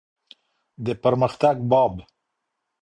د پرمختګ باب.